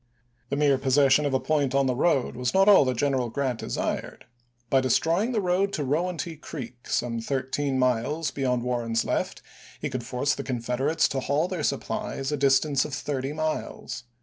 The mere possession of a point on the road was not all that General Grant desired. By destroying the road to Rowanty Creek, some thirteen miles beyond Warren's left, he could force the Confeder ates to haul their supplies a distance of thirty miles.